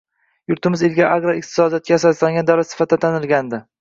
Yurtimiz ilgari agrar iqtisodiyotga asoslangan davlat sifatida tanilgandi.